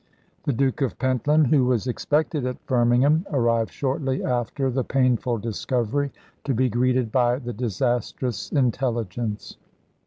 The Duke of Pentland, who was expected at Firmingham, arrived shortly after the painful discovery, to be greeted by the disastrous intelligence.